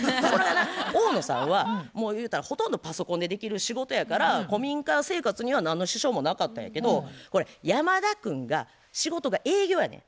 大野さんはもう言うたらほとんどパソコンでできる仕事やから古民家生活には何の支障もなかったんやけど山田君が仕事が営業やねん。